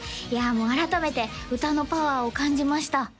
もう改めて歌のパワーを感じました